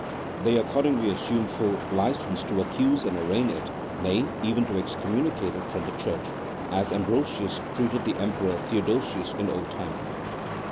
They accordingly assume full licence to accuse and arraign it, nay, even to excommuni cate it from the Church, as Ambrosius treated the Emperor Theodosius in old time.